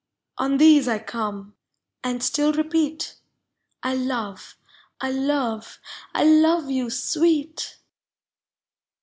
On these 1 come, and still repeat — 1 love, 1 love, 1 love you, Sweet